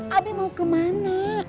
abi mau kemana